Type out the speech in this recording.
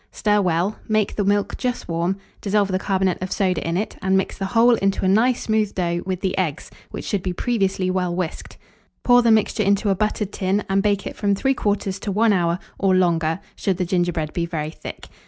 Stir well; make the milk just warm, dissolve the carbonate of soda in it, and mix the whole into a nice smooth dough with the eggs, which should be previously well whisked; pour the mixture into a buttered tin, and bake it from 3/4 to 1 hour, or longer, should the gingerbread be very thick.